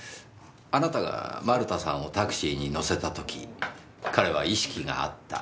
あなたが丸田さんをタクシーに乗せた時彼は意識があった。